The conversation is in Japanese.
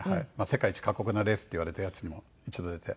世界一過酷なレースっていわれたやつにも一度出て。